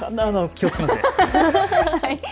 気をつけますね。